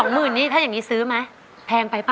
หมื่นนี้ถ้าอย่างนี้ซื้อไหมแพงไปป่